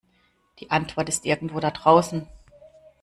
Die Antwort ist irgendwo da draußen.